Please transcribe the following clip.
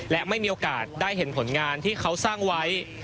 และไม่มีโอกาสได้เห็นผลงานที่เขาสร้างไว้